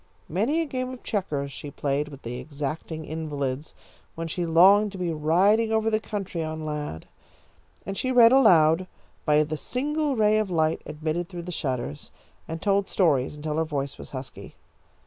Many a game of checkers she played with the exacting invalids, when she longed to be riding over the country on Lad. And she read aloud by the single ray of light admitted through the shutters, and told stories until her voice was husky.